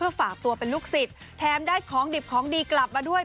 ฝากตัวเป็นลูกศิษย์แถมได้ของดิบของดีกลับมาด้วย